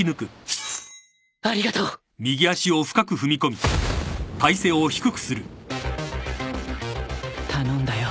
ありがとう！頼んだよ